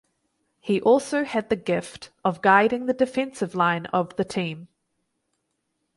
He also had the gift of guiding the defensive line of the team.